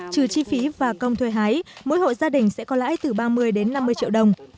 trừ chi phí và công thuê hái mỗi hộ gia đình sẽ có lãi từ ba mươi đến năm mươi triệu đồng